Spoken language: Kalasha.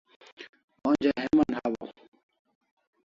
Onja heman hawaw